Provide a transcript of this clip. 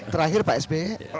terakhir pak sby